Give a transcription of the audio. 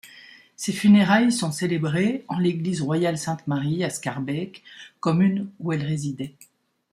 Ses funérailles sont célébrées en l'Église royale Sainte-Marie à Schaerbeek, commune où elle résidait.